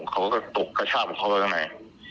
เขาก็ตกกระชาปเข้าไปข้างใน